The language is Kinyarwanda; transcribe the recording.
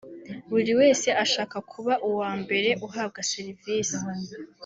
buri wese ashaka kuba uwa mbere uhabwa serivisi